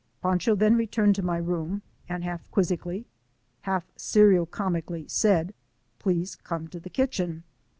Pancho then returned to my room, and half quiz zically, half serio comically said :" Please come to the kitchen."